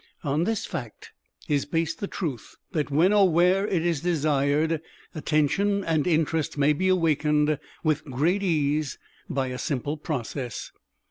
On this fact is based the truth that when or where it is desired, Attention and Interest may be awakened with great ease by a simple process.